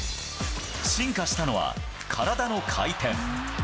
進化したのは、体の回転。